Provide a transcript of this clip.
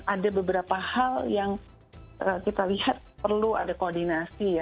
ada beberapa hal yang kita lihat perlu ada koordinasi ya